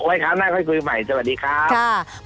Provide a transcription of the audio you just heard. ไว้คราวหน้าค่อยคุยใหม่สวัสดีครับ